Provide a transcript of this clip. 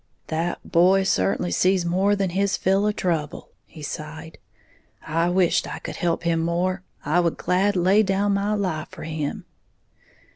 "That boy certainly sees more than his fill of trouble," he sighed; "I wisht I could help him more, I would glad lay down my life for him."